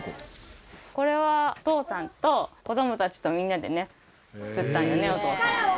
これはお父さんと子供たちとみんなでね作ったんよね。